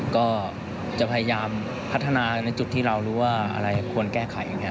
ก็จะพยายามพัฒนาในจุดที่เรารู้ว่าอะไรควรแก้ไขอย่างนี้